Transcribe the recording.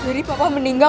jadi papa meninggal